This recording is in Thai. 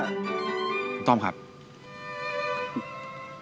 คุณต้องไปค่ะ